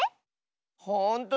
ほんとだ！